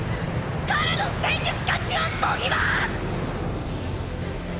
彼の戦術価値を説きます！